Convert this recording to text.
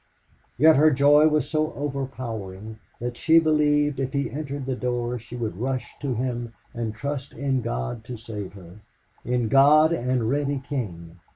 Yet her joy was so overpowering that she believed if he entered the door she would rush to him and trust in God to save her. In God and Reddy King!